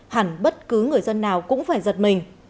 hẳn bất cứ người dân nào cũng phải giật mình